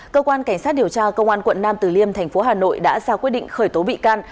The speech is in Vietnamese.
cơ quan cảnh sát điều tra công an quận nam từ liêm thành phố hà nội đã ra quyết định khởi tố bị can